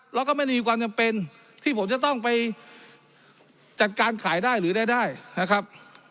แล้วก็ไม่ได้มีความจำเป็นที่ผมจะต้องไปจัดการขายได้หรือได้นะครับ